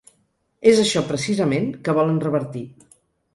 És això, precisament, que volen revertir.